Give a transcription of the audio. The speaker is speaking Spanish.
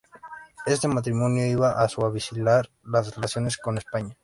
Este matrimonio iba a suavizar las relaciones con España.